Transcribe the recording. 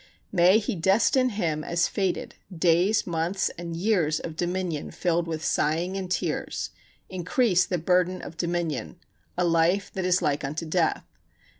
May he destine him as fated, days, months and years of dominion filled with sighing and tears, increase of the burden of dominion, a life that is like unto death.